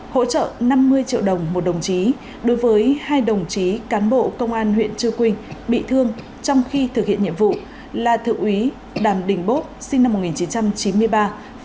hỗ trợ năm mươi triệu đồng một đồng chí đối với hai đồng chí cán bộ công an huyện trư quynh bị thương trong khi thực hiện nhiệm vụ là thượng úy đàm đình bốt sinh năm một nghìn chín trăm chín mươi ba phó trưởng công an xã ea cơ tu và đại úy lê kiên cường sinh năm một nghìn chín trăm tám mươi tám cán bộ công an xã ea cơ tu